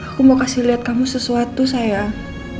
aku mau kasih lihat kamu sesuatu sayang